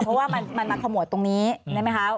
เพราะว่ามันมาขมวดตรงนี้ใช่ไหมคะ